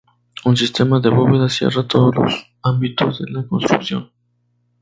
Un sistema de bóvedas cierra todos los ámbitos de la construcción.